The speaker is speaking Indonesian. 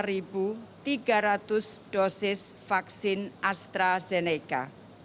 sebelumnya sebesar satu empat ratus empat belas dosis vaksin jadi astrazeneca